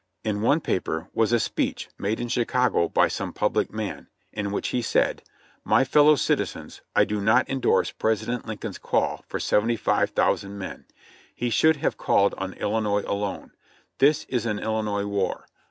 In one paper was a speech made in Chicago by some public man, in which he said: "My fellow citizens, I do not indorse President Lincoln's call for seventy five thousand men. He should have called on Illinois alone ; this is an Illinois war.